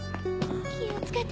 ・気を付けて。